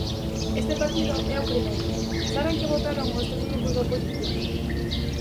Este partido é o primeiro, ¿saben que votaron os tres grupos da oposición?